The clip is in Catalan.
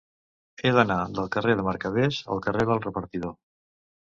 He d'anar del carrer de Mercaders al carrer del Repartidor.